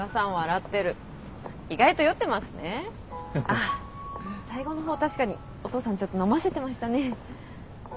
あっ最後の方確かにお父さんちょっと飲ませてましたね。